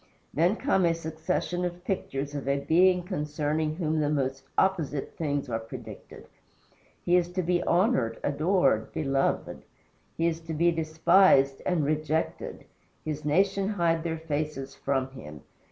Then come a succession of pictures of a Being concerning whom the most opposite things are predicted. He is to be honored, adored, beloved; he is to be despised and rejected his nation hide their faces from him.